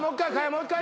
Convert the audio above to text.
もう一回？